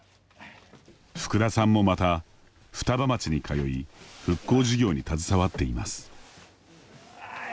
福田さんもまた、双葉町に通い復興事業に携わっています。